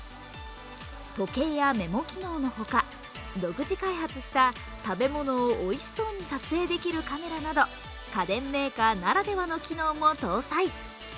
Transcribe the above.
時計やメモ機能のほか、独自開発した食べ物をおいしそうに撮影できるカメラなど家電メーカーならではの機能も搭載。